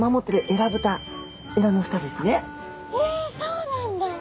えそうなんだ。